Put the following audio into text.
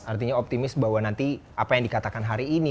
artinya optimis bahwa nanti apa yang dikatakan hari ini